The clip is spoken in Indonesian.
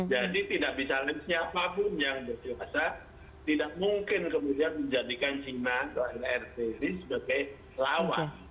jadi tidak bisa lain siapapun yang berjelas tidak mungkin kemudian menjadikan china atau rrt sebagai lawan